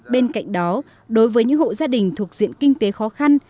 bên cạnh đó đối với những hộ gia đình thuộc diện kinh tế khó khăn